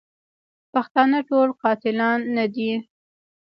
پښتانه ټول قاتلان نه دي.